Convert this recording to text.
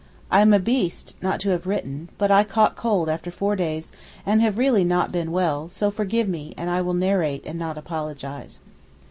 I am a beast not to have written, but I caught cold after four days and have really not been well, so forgive me, and I will narrate and not apologize.